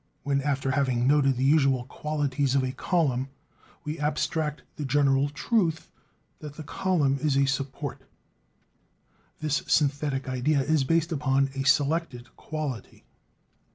When, after having noted the usual qualities of a column, we abstract the general truth that the column is a support, this synthetic idea is based upon a selected quality.